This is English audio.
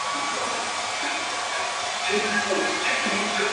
Lonely, the man visits the planet Gallifrey, where he finds a primitive tribe.